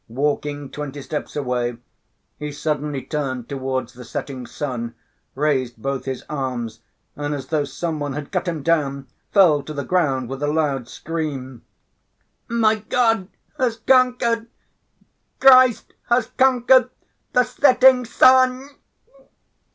Walking twenty steps away, he suddenly turned towards the setting sun, raised both his arms and, as though some one had cut him down, fell to the ground with a loud scream. "My God has conquered! Christ has conquered the setting sun!"